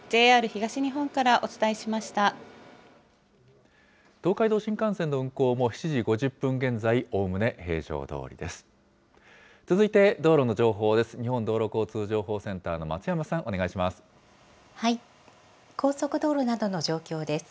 東海道新幹線の運行も、７時５０分現在、おおむね平常どおりです。